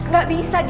gak bisa dia